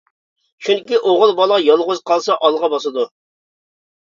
چۈنكى ئوغۇل بالا يالغۇز قالسا ئالغا باسىدۇ.